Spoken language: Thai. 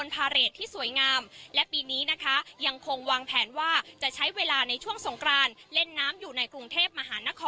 เพราะฉะนั้นเราจะไปล่างและมันสวยมากสวยมาก